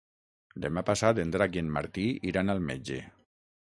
Demà passat en Drac i en Martí iran al metge.